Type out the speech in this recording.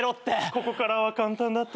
ここからは簡単だったわ。